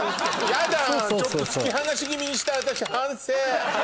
やだちょっと突き放し気味にした私反省！